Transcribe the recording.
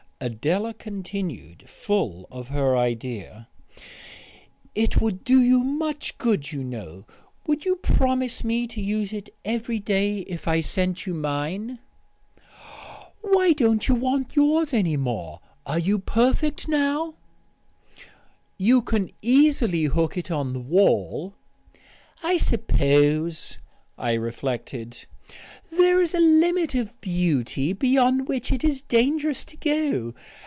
Adela continued, full of her idea. "It would do you so much good, you know. Would you promise me to use it every day if I sent you mine?" "Why don't you want yours any more? Are you perfect now?" "You can easily hook it to the wall " "I suppose," I reflected, "there is a limit of beauty beyond which it is dangerous to go.